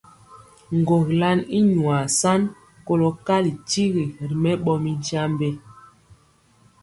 Ŋgogilan i nwaa san kolɔ kali kyigi ri mɛɓɔ mi nkyambe.